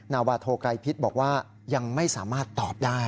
นาวาโทไกรพิษบอกว่ายังไม่สามารถตอบได้